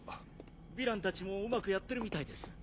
ヴィランたちもうまくやってるみたいです。